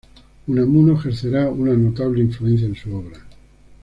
Unamuno ejercerá una notable influencia en su obra.